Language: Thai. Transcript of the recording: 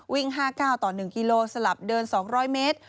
วิ่ง๕๙ต่อ๑กิโลสลับเดิน๒๐๐เมตร